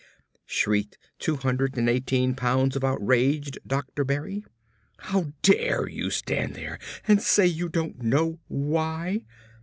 shrieked two hundred and eighteen pounds of outraged Dr. Berry. "How dare you stand there and say you don't know why?"